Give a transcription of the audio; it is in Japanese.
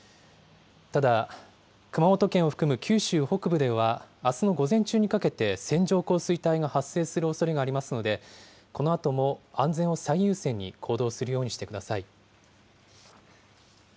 ただ、熊本県を含む九州北部では、あすの午前中にかけて線状降水帯が発生するおそれがありますので、このあとも安全を最優先に行動するようにしてください。